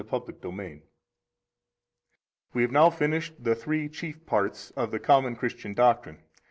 Holy Baptism 1 We have now finished the three chief parts of the common Christian doctrine.